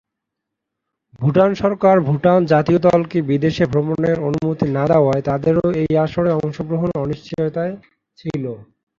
ভুটান সরকার ভুটান জাতীয় দলকে বিদেশে ভ্রমণের অনুমতি না দেওয়ায় তাদেরও এই আসরে অংশগ্রহণে অনিশ্চয়তা ছিল।